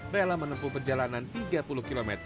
rela menempuh perjalanan tiga puluh km